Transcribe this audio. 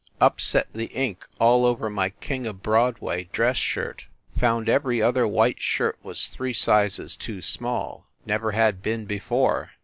Upset the ink all over my "King of Broadway" dress shirt. Found every other white shirt was three sizes too small. Never had been before.